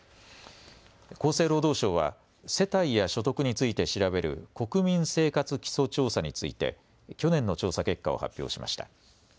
厚生労働省は世帯や所得について調べる国民生活基礎調査について去年の調査結果を発表しました。